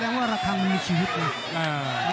แต่ว่าระคังมันมีชีวิตเลย